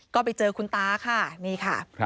ก็ไปเจอคุณตาค่ะนี่ค่ะ